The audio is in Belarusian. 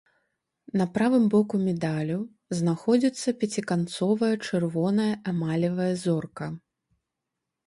На правым боку медалю знаходзіцца пяціканцовая чырвоная эмалевая зорка.